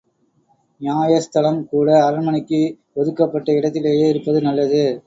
நியாயஸ்தலம் கூட அரண்மனைக்கு ஒதுக்கப்பட்ட இடத்திலேயே இருப்பது நல்லது.